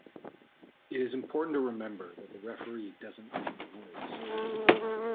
It is important to remember that the referee doesn't make the rules.